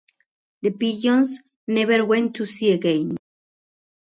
The pigeons never went to sea again.